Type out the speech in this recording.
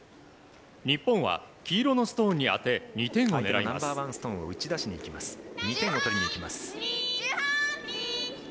日本は黄色のストーンに当て２点を狙います。